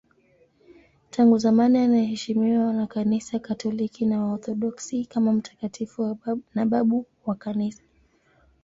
Tangu zamani anaheshimiwa na Kanisa Katoliki na Waorthodoksi kama mtakatifu na babu wa Kanisa.